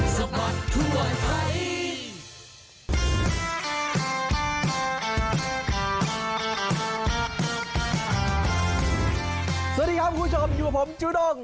สวัสดีครับคุณผู้ชมอยู่กับผมจูด้ง